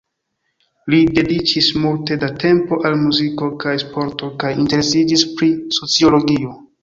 Li dediĉis multe da tempo al muziko kaj sporto kaj interesiĝis pri sociologio.